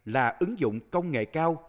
là ứng dụng công nghệ cao